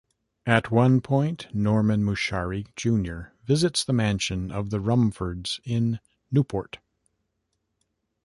At one point Norman Mushari Junior visits the mansion of the Rumfoords in Newport.